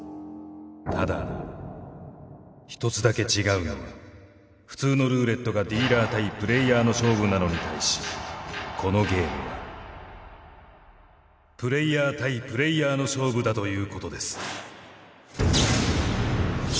ただ一つだけ違うのは普通のルーレットがディーラー対プレーヤーの勝負なのに対しこのゲームはプレーヤー対プレーヤーの勝負だということです。